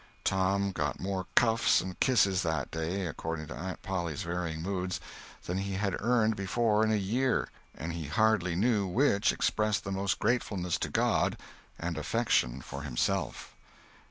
Tom got more cuffs and kisses that day—according to Aunt Polly's varying moods—than he had earned before in a year; and he hardly knew which expressed the most gratefulness to God and affection for himself.